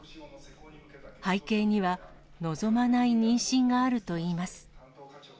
背景には、望まない妊娠があるといいます。